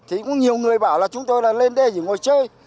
thì cũng nhiều người bảo là chúng tôi là lên đê chỉ ngồi chơi